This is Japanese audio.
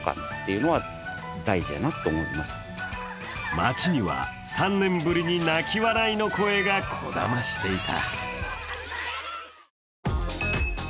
町には３年ぶりに泣き笑いの声がこだましていた。